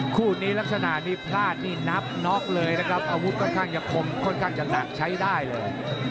คู่นี้ลักษณะนี้พลาดนี่นับน็อกเลยนะครับอาวุธค่อนข้างจะคมค่อนข้างจะหนักใช้ได้เลย